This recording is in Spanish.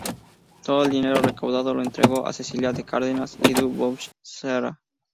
Todo el dinero recaudado lo entregó a Cecilia de Cárdenas y du Bouchet, Sra.